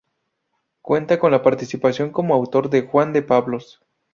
Cuenta con la participación como autor de Juan de Pablos.